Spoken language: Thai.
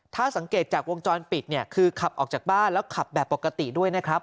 ถ้าสังเกตจากวงจรปิดเนี่ยคือขับออกจากบ้านแล้วขับแบบปกติด้วยนะครับ